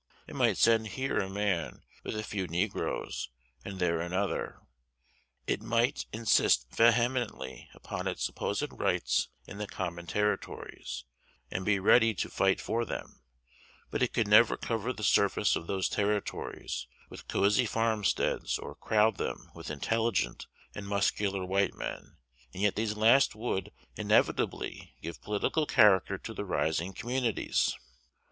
It might send here a man with a few negroes, and there another. It might insist vehemently upon its supposed rights in the common Territories, and be ready to fight for them; but it could never cover the surface of those Territories with cosey farmsteads, or crowd them with intelligent and muscular white men; and yet these last would inevitably give political character to the rising communities.